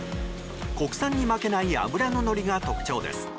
国産に負けない脂の、のりが特徴です。